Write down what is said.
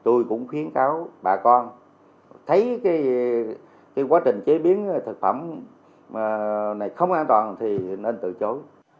tôi cũng khuyến cáo bà con thấy cái quá trình chế biến thực phẩm này không an toàn thì nên từ chối